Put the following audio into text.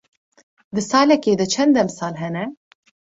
Di salekê de çend demsal hene?